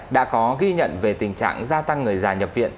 đã có ghi nhận về tình trạng gia tăng người già nhập viện